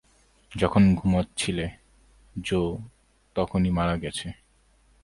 যখন ঘুমাচ্ছিলে জো তখনই মারা গেছে!